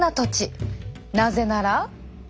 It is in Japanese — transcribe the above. なぜなら。